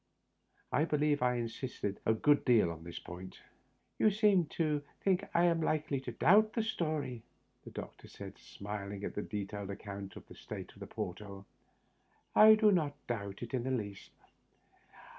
I believe I in sisted a good deal on this point. " You seem to think I am likely to doubt the story," said the doctor, smiling at the detailed account of the state of the port hole. " I do not doubt it in the least.